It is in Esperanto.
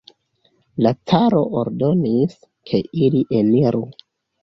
La caro ordonis, ke ili eniru.